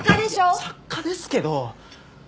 いや作家ですけど。